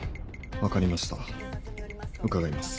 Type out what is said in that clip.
分かりました伺います。